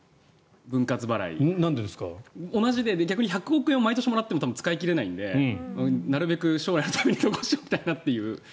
１００億円を毎年使っても使い切れないのでなるべく将来のために残しておきたいなという。